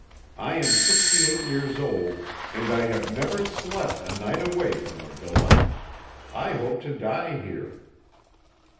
I am sixty eight years old, and I have never slept a night away from the villa; I hope to die here.